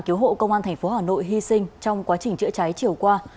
cứu hộ công an tp hà nội hy sinh trong quá trình chữa cháy chiều qua